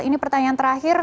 ini pertanyaan terakhir